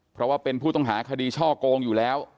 เพราะว่าเป็นผู้ต้องหาคดีช่อโกงอยู่แล้ว